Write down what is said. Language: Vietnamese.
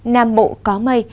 nam bộ có mây